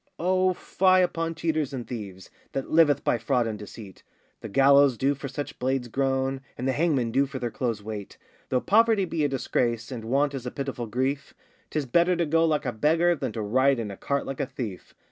O fie upon cheaters and thieves, That liveth by fraud and deceit; The gallows do for such blades groan, And the hangmen do for their clothes wait. Though poverty be a disgrace, And want is a pitiful grief, 'Tis better to go like a beggar Than to ride in a cart like a thief.